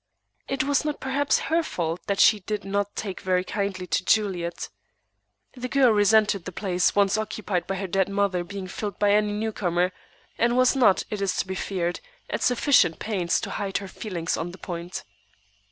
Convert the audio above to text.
It was not, perhaps, her fault that she did not take very kindly to Juliet. The girl resented the place once occupied by her dead mother being filled by any newcomer; and was not, it is to be feared, at sufficient pains to hide her feelings on the point.